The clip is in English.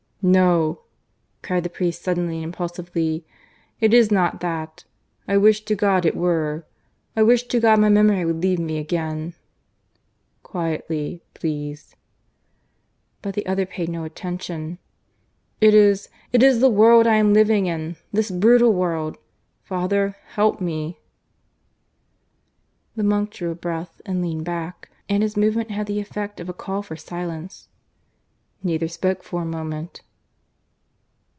"No," cried the priest suddenly and impulsively, "it is not that. I wish to God it were! I wish to God my memory would leave me again!" "Quietly, please." But the other paid no attention. "It is ... it is the world I am living in this brutal world.... Father, help me." The monk drew a breath and leaned back, and his movement had the effect of a call for silence. Neither spoke for a moment.